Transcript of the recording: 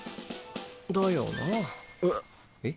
だよなえっ？